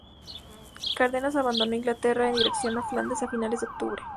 Cárdenas abandonó Inglaterra en dirección a Flandes a finales de octubre.